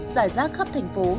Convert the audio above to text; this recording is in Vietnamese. giải rác khắp thành phố